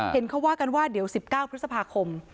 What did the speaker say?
เห็นเขาว่ากันว่าเดี๋ยว๑๙พฤษภาคม